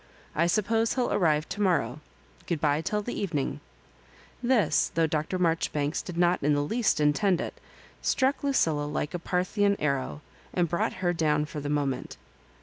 I suppose he'll arrive to morrow. Good bye till the evening." This, though Dr. Marjoribanks did not in the least intend it, struck Lucilla like a Parthian arrow, and brought her down for the moment.